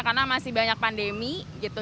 karena masih banyak pandemi gitu